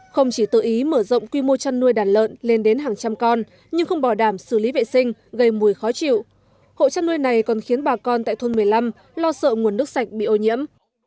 không chỉ tự ý mở rộng quy mô chăn nuôi đàn lợn lên đến hàng trăm con nhưng không bỏ đảm xử lý vệ sinh gây mùi khó chịu hộ chăn nuôi này còn khiến bà con tại thôn một mươi năm lo sợ nguồn nước sạch bị ô nhiễm